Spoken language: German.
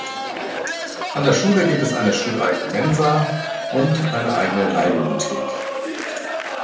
An der Schule gibt es eine schuleigene Mensa und eine eigene Leihbibliothek.